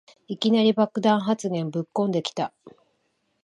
いきなり爆弾発言ぶっこんできた